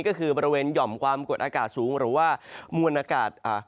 ก็คือบริเวณหย่อมความกดอากาศสูงหรือว่ามวลอากาศ